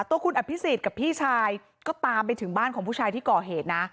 ตัวคุณอภิษฎกับพี่ชายก็ตามไปถึงบ้านของผู้ชายที่ก่อเหตุนะ